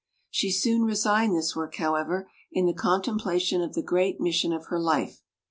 She soon resigned this work, however, in the contemplation of the great mission of her life.